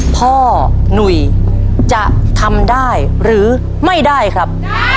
หนุ่ยจะทำได้หรือไม่ได้ครับ